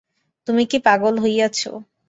তুমি কি পাগল হইয়াছ?